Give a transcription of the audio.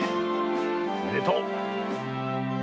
おめでとう。